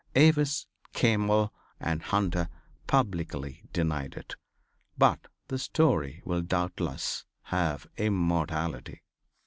Avis, Campbell and Hunter publicly denied it. But the story will doubtless have immortality.